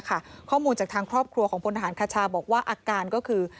ข้อมูลจากทางครอบครัวของพลทหารคชาบอกว่าอาการก็คือ